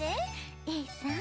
Ａさん